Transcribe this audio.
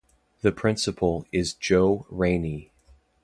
The Principal is Jo Rainey.